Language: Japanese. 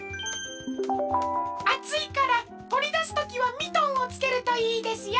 あついからとりだすときはミトンをつけるといいですよ。